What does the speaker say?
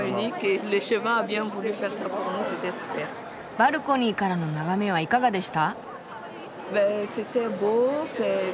バルコニーからの眺めはいかがでした？